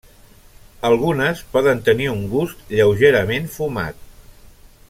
Algunes poden tenir un gust lleugerament fumat.